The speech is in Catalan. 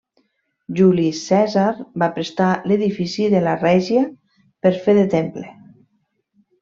Juli Cèsar va prestar l'edifici de la Règia per fer de temple.